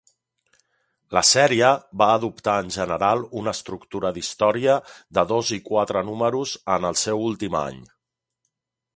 La sèrie va adoptar en general una estructura d'història de dos i quatre números en el seu últim any.